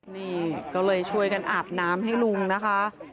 นี่ก็เลยช่วยกันอาบน้ำให้ลุงนะคะ